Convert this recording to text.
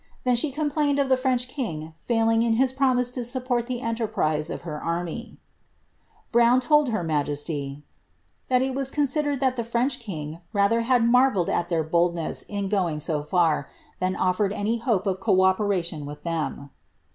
Then she complained of the French king failing in hia promise lo support the enterprise of her army." Brown told her ma jesiy, " thai it was considered thai the French king rather had mari'elled at their boldness in going so far, than offered any hope of co opcralmn with ihem."